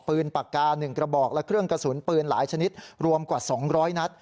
ปากกา๑กระบอกและเครื่องกระสุนปืนหลายชนิดรวมกว่า๒๐๐นัด